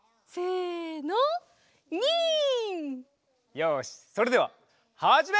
よしそれでははじめ！